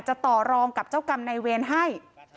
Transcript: ต่อรองกับเจ้ากรรมในเวรให้